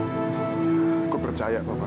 aku percaya papa